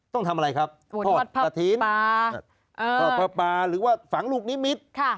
ต้องทำอะไรครับพอดประทีนหรือว่าฝังลูกนิมิตร